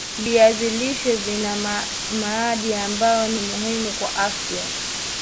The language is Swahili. viazi lishe vina madini ambayo ni muhimu kwa afya